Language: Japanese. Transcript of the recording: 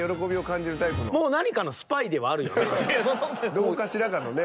どこかしらのね。